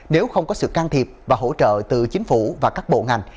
nếu không có sự can thiệp và hỗ trợ từ chính phủ và các bộ ngành